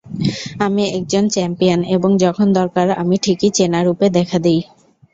আমি একজন চ্যাম্পিয়ন এবং যখন দরকার আমি ঠিকই চেনা রূপে দেখা দিই।